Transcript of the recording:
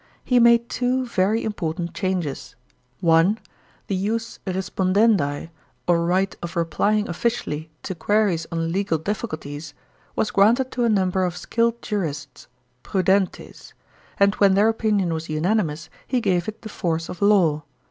He made two very important changes: (1) The ius respondendi, or right of replying officially to queries on legal difficulties, was granted to a number of skilled jurists (prudentes), and when their opinion was unanimous he gave it the force of law.